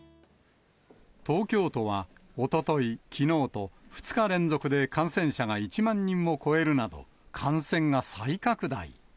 東京都は、おととい、きのうと、２日連続で感染者が１万人を超えるなど、感染が再拡大。